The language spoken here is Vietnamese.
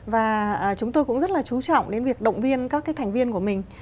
và chúng tôi cũng rất là chú trọng đến việc động viên các cái thành viên của mình